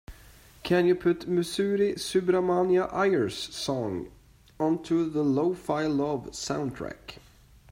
Can you put Musiri Subramania Iyer's song onto the lo-fi love soundtrack?